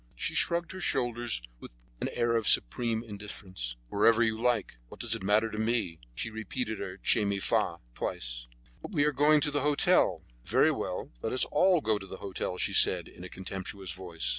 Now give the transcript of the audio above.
She shrugged her shoulders with an air of supreme indifference. "Wherever you like; what does it matter to me?" She repeated her "Che mi fa" twice. "But we are going to the hotel." "Very well, let us all go to the hotel," she said, in a contemptuous voice.